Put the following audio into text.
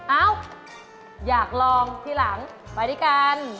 เอ้าอยากลองทีหลังไปด้วยกัน